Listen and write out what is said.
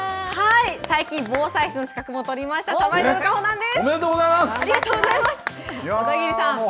最近、防災士の資格も取りました、さばいどる、かほなんです。